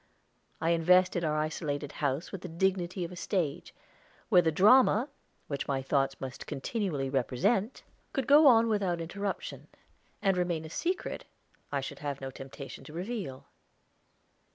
I invested our isolated house with the dignity of a stage, where the drama, which my thoughts must continually represent, could go on without interruption, and remain a secret I should have no temptation to reveal.